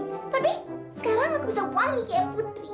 tapi sekarang aku bisa wangi kayak putri